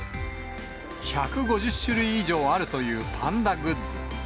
１５０種類以上あるというパンダグッズ。